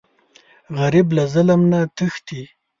غریب له ظلم نه تښتي